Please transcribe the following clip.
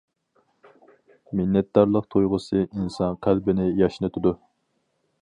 مىننەتدارلىق تۇيغۇسى ئىنسان قەلبىنى ياشنىتىدۇ.